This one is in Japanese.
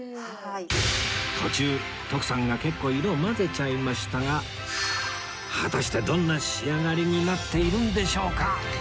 途中徳さんが結構色を混ぜちゃいましたが果たしてどんな仕上がりになっているんでしょうか？